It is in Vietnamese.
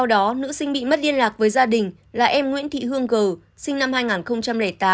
đó nữ sinh bị mất liên lạc với gia đình là em nguyễn thị hương gờ sinh năm hai nghìn tám